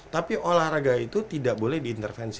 tapi olahraga itu tidak boleh diintervensi